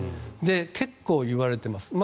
結構、いわれています。